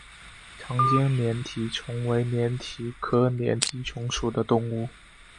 长江粘体虫为粘体科粘体虫属的动物。